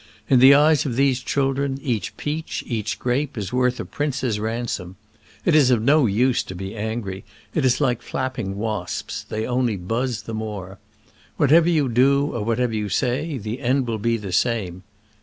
In the eyes of these children each peach, each grape, is worth a prince's ransom. It is of no use to be angry : it is like flapping wasps — they only buzz the more. What ever you do or whatever you say, the end will be the same.